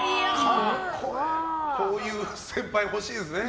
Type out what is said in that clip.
こういう先輩、欲しいですね。